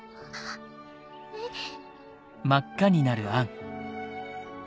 えっ。